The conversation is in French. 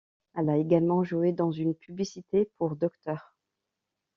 Elle a également joué dans une publicité pour Dr.